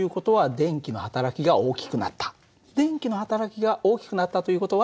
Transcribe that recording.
電気の働きが大きくなったという事は。